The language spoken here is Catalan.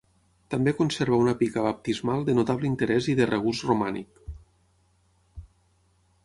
També conserva una pica baptismal de notable interès i de regust romànic.